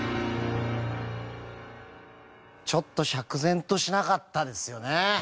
ちょっと釈然としなかったですよね。